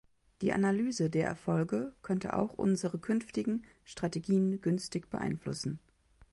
Die Analyse der Erfolge könnte auch unsere künftigen Strategien günstig beeinflussen.